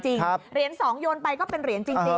เหรียญ๒โยนไปก็เป็นเหรียญจริง